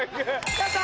やった！